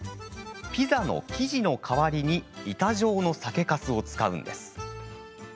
ピザの生地の代わりに板状の酒かすを使うんです。